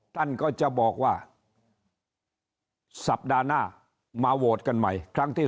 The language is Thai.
ท่านก็จะบอกว่าสัปดาห์หน้ามาโหวตกันใหม่ครั้งที่๓